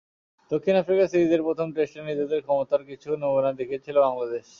দক্ষিণ আফ্রিকা সিরিজের প্রথম টেস্টে নিজেদের ক্ষমতার কিছুটা নমুনা দেখিয়েছিল বাংলাদেশ।